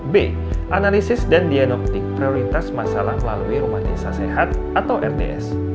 b analisis dan diagnostik prioritas masalah melalui rumah desa sehat atau rds